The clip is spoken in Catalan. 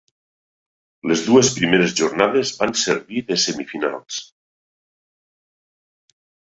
Les dues primeres jornades van servir de semifinals.